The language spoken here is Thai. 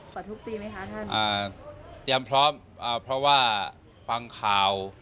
ทุกปีไหมคะท่านอ่าเตรียมพร้อมอ่าเพราะว่าฟังข่าว